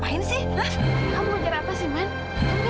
kayaknya tadi dia lari kesini deh